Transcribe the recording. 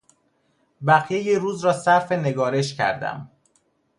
بقیهی روز را صرف نگارش کردم.